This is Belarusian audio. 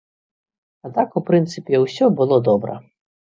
А так, у прынцыпе, усё было добра.